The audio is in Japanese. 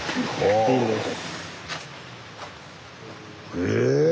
へえ！